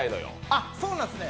あっ、そうなんですね。